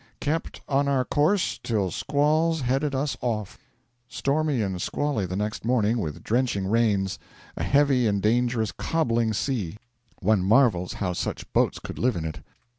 'Kept on our course till squalls headed us off.' Stormy and squally the next morning, with drenching rains. A heavy and dangerous 'cobbling' sea. One marvels how such boats could live in it.